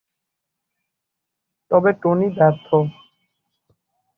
তবে টনি ব্যর্থ।